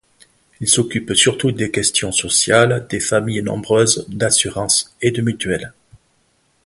Il s’occupe surtout des questions sociales, des familles nombreuses, d'assurances et de mutuelles.